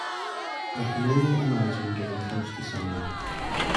I can only imagine getting close to someone.